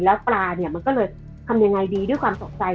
แล้วปลาเนี่ยมันก็เลยทำยังไงดีด้วยความตกใจ